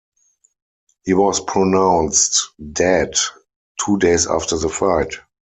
He was pronounced dead two days after the fight.